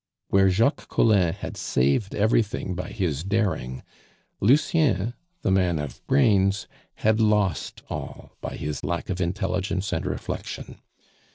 Where Jacques Collin had saved everything by his daring, Lucien, the man of brains, had lost all by his lack of intelligence and reflection.